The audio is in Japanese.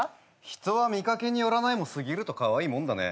人は見掛けによらないも過ぎるとカワイイもんだね。